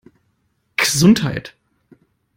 Gesundheit!